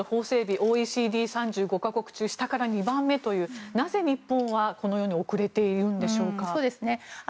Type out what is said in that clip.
ＯＥＣＤ、３５か国中３４番目というなぜ日本はこのように遅れているんでしょうか。